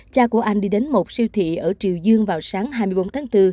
cha của anh đi đến một siêu thị ở triều dương vào sáng hai mươi bốn tháng bốn